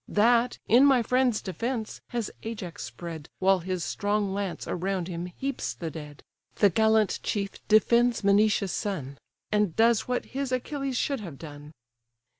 That, in my friend's defence, has Ajax spread, While his strong lance around him heaps the dead: The gallant chief defends Menoetius' son, And does what his Achilles should have done."